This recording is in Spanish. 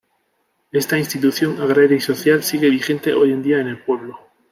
Esta institución agraria y social sigue vigente hoy en día en el pueblo.